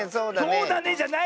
「そうだね」じゃない！